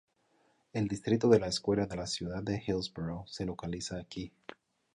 El distrito de la escuela de la ciudad de Hillsborough se localiza aquí.